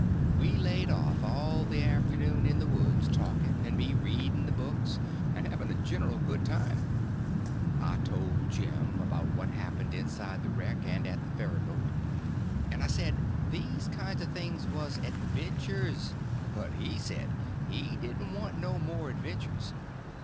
We laid off all the afternoon in the woods talking, and me reading the books, and having a general good time. I told Jim all about what happened inside the wreck and at the ferryboat, and I said these kinds of things was adventures; but he said he didn't want no more adventures.